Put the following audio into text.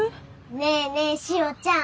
ねえねえしおちゃん